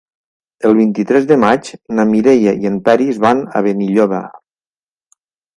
El vint-i-tres de maig na Mireia i en Peris van a Benilloba.